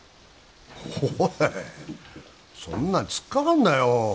おいそんな突っかかんなよ